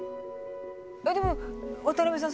えっでも渡辺さん